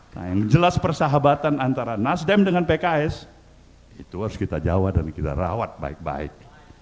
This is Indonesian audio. nah yang jelas persahabatan antara nasdem dengan pks itu harus kita jawab dan kita rawat baik baik